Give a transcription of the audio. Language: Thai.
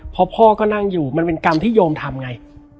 พอพ่อก็นั่งอยู่มันเป็นกรรมที่โยมทำไง